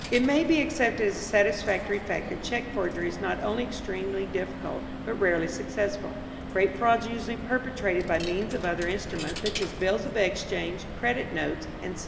It may be accepted as a satisfactory fact that cheque forgery is not only extremely difficult, but rarely successful. Great frauds are usually perpetrated by means of other instruments, such as bills of exchange, credit notes, &c.